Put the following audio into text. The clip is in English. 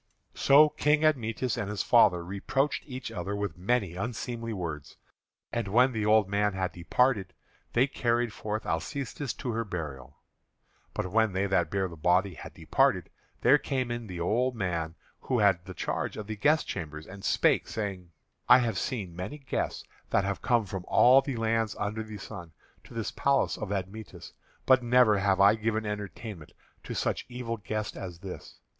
So King Admetus and his father reproached each other with many unseemly words. And when the old man had departed, they carried forth Alcestis to her burial. But when they that bare the body had departed, there came in the old man that had the charge of the guest chambers, and spake, saying: "I have seen many guests that have come from all the lands under the sun to this palace of Admetus, but never have I given entertainment to such evil guest as this.